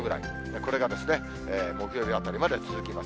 これが木曜日あたりまで続きます。